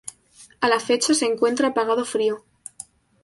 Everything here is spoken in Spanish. A la fecha se encuentra apagado frío.